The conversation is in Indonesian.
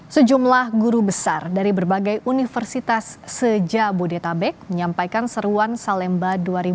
sejumlah guru besar dari berbagai universitas sejak bodetabek menyampaikan seruan salemba dua ribu dua puluh